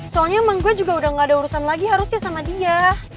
soalnya emang gue juga udah gak ada urusan lagi harusnya sama dia